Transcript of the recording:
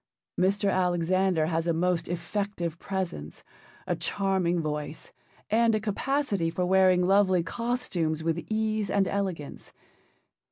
Mr. Alexander has a most effective presence, a charming voice, and a capacity for wearing lovely costumes with ease and elegance.